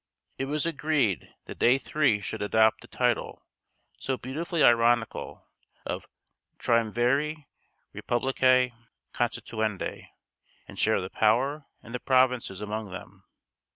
It was agreed that they three should adopt the title so beautifully ironical of Triumviri reipublicæ constituendæ, and share the power and the provinces among them.